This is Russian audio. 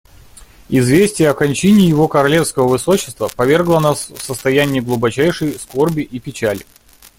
Известие о кончине Его Королевского Высочества повергло нас в состояние глубочайшей скорби и печали.